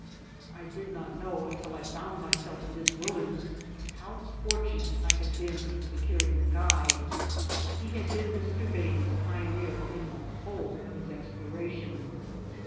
I did not know, until I found myself in this wilderness, how fortunate I had been in securing this guide. He had been Mr. Bailey's pioneer in the whole of his exploration.